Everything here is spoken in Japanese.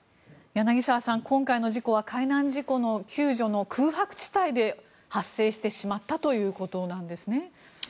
柳澤さん、今回の事故は海難事故の救助の空白地帯で発生してしまったということなんですね。